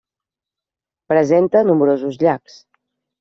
Presenta nombrosos llacs.